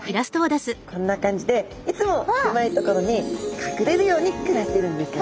こんな感じでいつも狭い所に隠れるように暮らしてるんですよ。